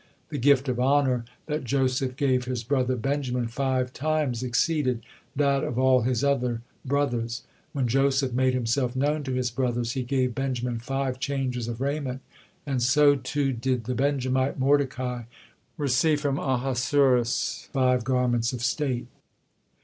The gift of honor that Joseph gave his brother Benjamin five times exceeded that of all his other brothers; when Joseph made himself known to his brothers, he gave Benjamin five changes of raiment, and so too did the Benjamite Mordecai receive from Ahasuerus five garments of state.